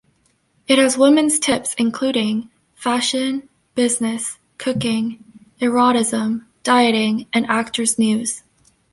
It has women's tips including: fashion, business, cooking, erotism, dieting and actors' news.